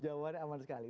jawabannya aman sekali